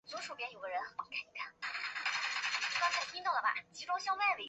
不同的缓存架构处理这个问题的方式是不同的。